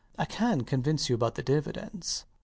I can convince you about the dividends.